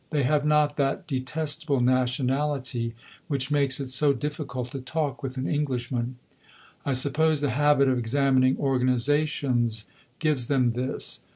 They have not that detestable nationality which makes it so difficult to talk with an Englishman. I suppose the habit of examining organisations gives them this....